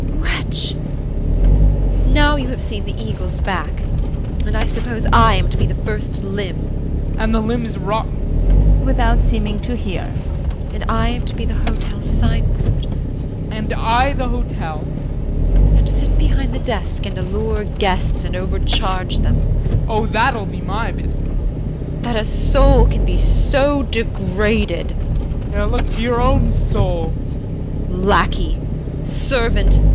JULIE. Wretch! Now you have seen the eagle's back, and I suppose I am to be the first limb JEAN. And the limb is rotten JULIE [Without seeming to hear]. And I am to be the hotel's signboard JEAN. And I the hotel JULIE. And sit behind the desk and allure guests and overcharge them JEAN. Oh, that'll be my business. JULIE. That a soul can be so degraded! JEAN. Look to your own soul. JULIE. Lackey! Servant!